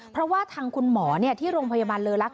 เพราะว่าทางคุณหมอที่โรงพยาบาลเลอลักษ